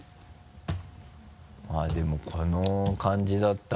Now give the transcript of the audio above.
あっでもこの感じだったら。